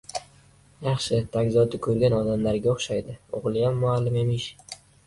— Yaxshi, tag-zoti ko‘rgan odamlarga o‘xshaydi. o‘g‘liyam muallim emish.